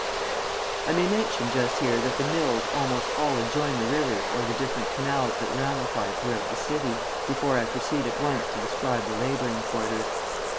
I may mention just here that the mills almost all adjoin the rivers or the different canals that ramify throughout the city, before I proceed at once to describe the labouring quarters.